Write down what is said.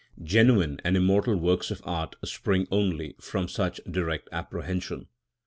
Genuine and immortal works of art spring only from such direct apprehension.